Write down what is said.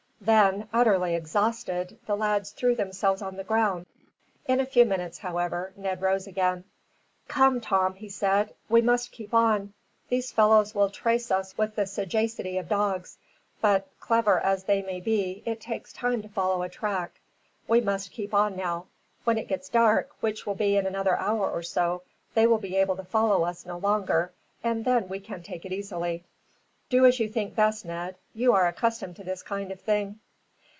Then, utterly exhausted, the lads threw themselves on the ground. In a few minutes, however, Ned rose again. "Come, Tom," he said, "we must keep on. These fellows will trace us with the sagacity of dogs; but, clever as they may be, it takes time to follow a track. We must keep on now. When it gets dark, which will be in another hour or so, they will be able to follow us no longer, and then we can take it easily." "Do as you think best, Ned. You are accustomed to this kind of thing."